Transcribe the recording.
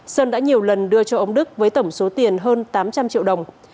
sơn đã nhiều lần đưa cho ông đức với tổng số tiền hơn tám trăm linh triệu đồng